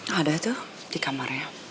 ada tuh di kamarnya